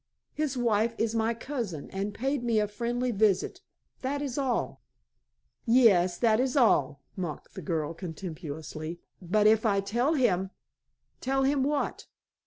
His wife is my cousin, and paid me a friendly visit that is all." "Yes; that is all," mocked the girl contemptuously. "But if I tell him " "Tell him what?"